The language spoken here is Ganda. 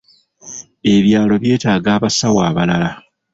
Ebyalo byetaaga abasawo abalala.